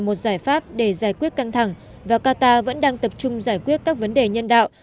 một giải pháp để giải quyết căng thẳng và qatar vẫn đang tập trung giải quyết các vấn đề nhân đạo